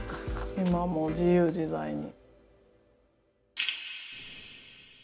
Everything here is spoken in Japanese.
今はもう自由自在に。